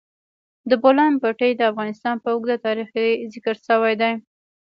د بولان پټي د افغانستان په اوږده تاریخ کې ذکر شوی دی.